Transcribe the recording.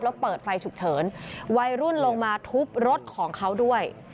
แล้วเปิดไฟฉุกเฉินวัยรุ่นลงมาทุบรถของเขาด้วย